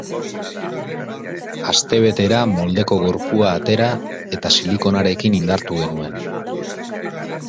Astebetera moldeko gorpua atera eta silikonarekin indartu genuen.